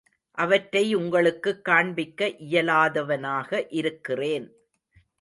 அவற்றை உங்களுக்குக் காண்பிக்க இயலாதவனாக இருக்கிறேன்.